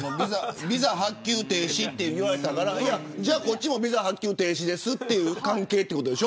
ビザ発給停止と言われたからこっちも停止ですという関係でしょ。